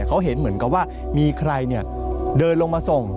เขาเห็นเหมือนกับว่ามีใครเดินลงมาส่ง